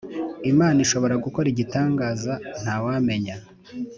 Imana ishobora gukora igitangaza ntawamenya